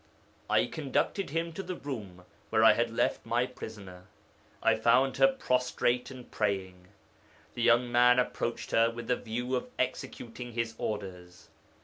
I conducted him to the room where I had left my prisoner. I found her prostrate and praying. The young man approached her with the view of executing his orders.